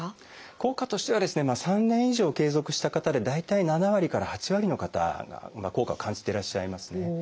効果としてはですね３年以上継続した方で大体７割から８割の方が効果を感じてらっしゃいますね。